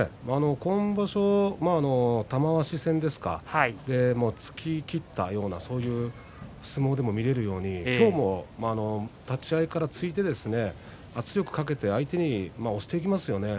今場所、玉鷲戦ですか突ききったようなそういう相撲でも見られるように今日も立ち合いから突いて圧力をかけて相手を押していきますよね。